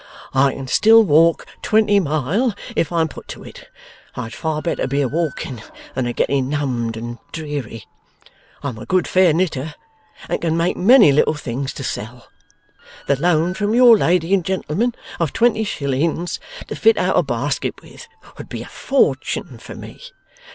I can still walk twenty mile if I am put to it. I'd far better be a walking than a getting numbed and dreary. I'm a good fair knitter, and can make many little things to sell. The loan from your lady and gentleman of twenty shillings to fit out a basket with, would be a fortune for me.